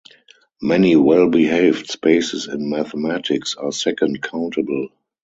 Many "well-behaved" spaces in mathematics are second-countable.